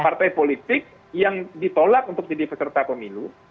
partai politik yang ditolak untuk jadi peserta pemilu